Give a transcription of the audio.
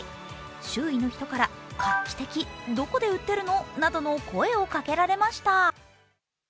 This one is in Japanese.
周囲の人から画期的、どこで売ってるのなどの声をかけられました。